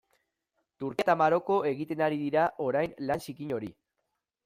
Turkia eta Maroko egiten ari dira orain lan zikin hori.